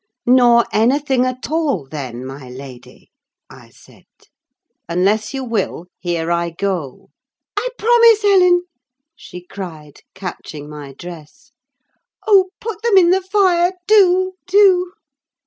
"Nor anything at all, then, my lady?" I said. "Unless you will, here I go." "I promise, Ellen!" she cried, catching my dress. "Oh, put them in the fire, do, do!"